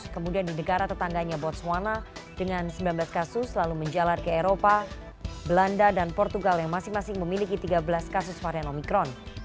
kemudian di negara tetangganya botswana dengan sembilan belas kasus lalu menjalar ke eropa belanda dan portugal yang masing masing memiliki tiga belas kasus varian omikron